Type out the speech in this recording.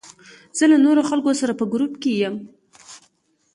زه له نورو خلکو سره په ګروپ کې یم.